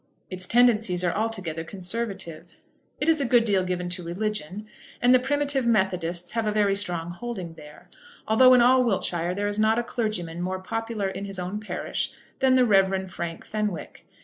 Its tendencies are altogether conservative. It is a good deal given to religion; and the Primitive Methodists have a very strong holding there, although in all Wiltshire there is not a clergyman more popular in his own parish than the Rev. Frank Fenwick.